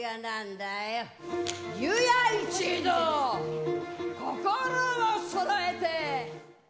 湯屋一同心をそろえて。